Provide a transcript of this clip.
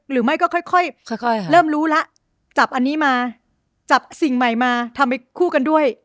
หรือไม่ก็ค่อยเริ่มรู้แล้วจับอันนี้มาจับสิ่งใหม่มาทำไปคู่กันด้วย